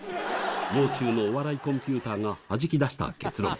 もう中のお笑いコンピューターがはじき出した結論。